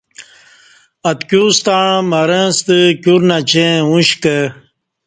اتکیوستݩع مرں ستہ کیور نچیں ا ش کہ